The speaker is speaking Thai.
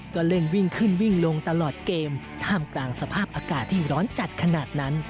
ก็เล่นวิ่งขึ้นวิ่งลงตลอดเกมท่ามกลางสภาพอากาศที่ร้อนจัดขนาดนั้น